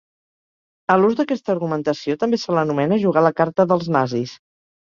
A l'ús d'aquesta argumentació també se l'anomena jugar la carta dels Nazis.